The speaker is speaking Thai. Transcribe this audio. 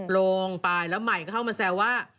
ลงไปแล้วใหม่ก็เข้ามาแซวว่า